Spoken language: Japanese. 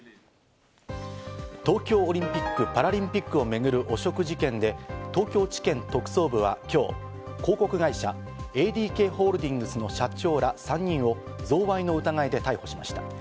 東京オリンピック・パラリンピックを巡る汚職事件で、東京地検特捜部は今日、広告会社ＡＤＫホールディングスの社長ら３人を贈賄の疑いで逮捕しました。